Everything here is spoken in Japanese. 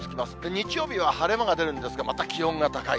日曜日は晴れ間が出るんですが、また気温が高い。